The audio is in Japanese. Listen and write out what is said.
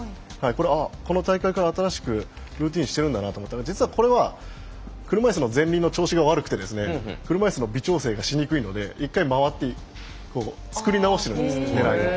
この大会から新しくルーティーンにしているんだなと思ったらこれは車いすの前輪の調子が悪くて微調整がしにくいので一度回ってつくり直しているんです狙いを。